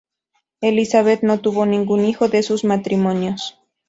Elizabeth no tuvo ningún hijo de sus matrimonios.